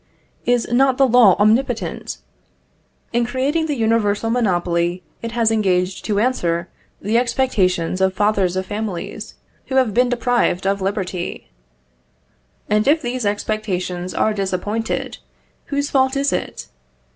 Is not the law omnipotent? In creating the universitary monopoly, it has engaged to answer the expectations of fathers of families who have been deprived of liberty; and if these expectations are disappointed, whose fault is it?